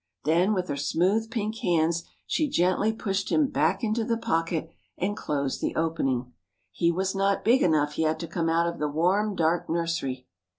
Then with her smooth pink hands she gently pushed him back into the pocket and closed the opening. He was not big enough yet to come out of the warm, dark nursery.